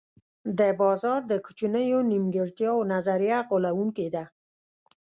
د بازار د کوچنیو نیمګړتیاوو نظریه غولوونکې ده.